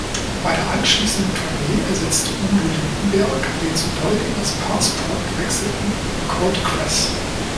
Bei der anschließenden Tournee ersetzte Udo Lindenberg den zu Doldingers Passport gewechselten Curt Cress.